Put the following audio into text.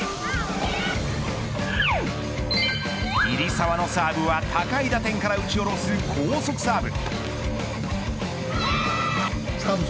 入澤のサーブは高い打点から打ち下ろす高速サーブ。